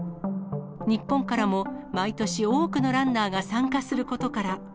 日本からも毎年多くのランナーが参加することから。